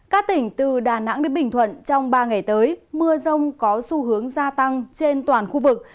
các tỉnh từ đà nẵng đến bình thuận trong ba ngày tới mưa rông có xu hướng gia tăng trên toàn khu vực